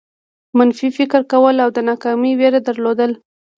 منفي فکر کول او د ناکامۍ وېره درلودل.